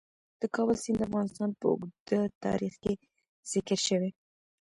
د کابل سیند د افغانستان په اوږده تاریخ کې ذکر شوی.